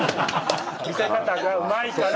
「見せ方がうまいから」。